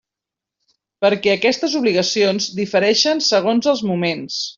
Perquè aquestes obligacions difereixen segons els moments.